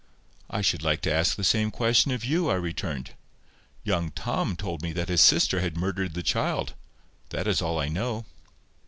"I should like to ask the same question of you," I returned. "Young Tom told me that his sister had murdered the child. That is all I know."